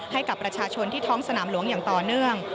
ให้กับประชาชนที่ท้องสนามหลวงอย่างต่อเนื่อง